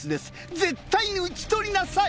絶対に討ち取りなさい！